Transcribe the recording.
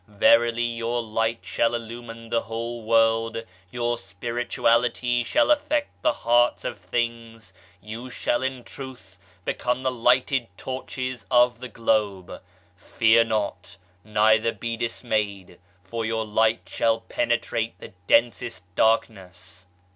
Verily your light shall illumine the whole world, your spirituality shall affect the heart of things. You shall in truth become the lighted torches of the Globe. Fear not, neither be dismayed, for your Light shall penetrate the densest darkness.